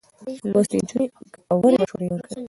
لوستې نجونې ګټورې مشورې ورکوي.